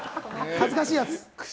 恥ずかしいやつ！